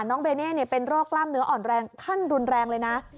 น้องเบเน่เป็นโรคกล้ามเนื้ออ่อนแรงขั้นรุนแรงเลยนะ